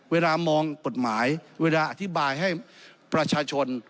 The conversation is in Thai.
เวลามองกฎหมายเวลาอธิบายให้ประชาชน